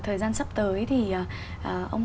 thời gian sắp tới thì ông